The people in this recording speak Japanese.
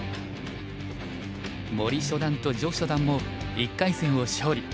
森初段と徐初段も１回戦を勝利。